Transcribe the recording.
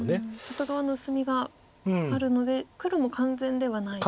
外側の薄みがあるので黒も完全ではないと。